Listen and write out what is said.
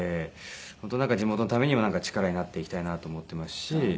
本当なんか地元のためにも力になっていきたいなと思ってますし。